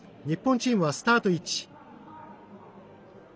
日本チームはスタート位置。